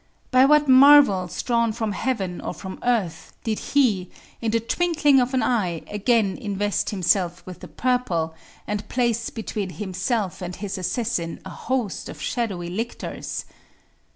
By what marvels drawn from heaven or from earth, did he, in the twinkling of an eye, again invest himself with the purple, and place between himself and his assassin a host of shadowy lictors?